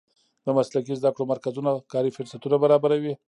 د مسلکي زده کړو مرکزونه کاري فرصتونه برابروي.